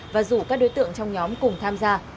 và rủ các đối tượng trong nhóm cùng tham gia